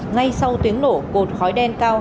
ngay sau tiếng nổ cột khói đen cao